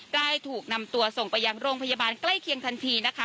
ได้ถูกนำตัวส่งไปยังโรงพยาบาลใกล้เคียงทันทีนะคะ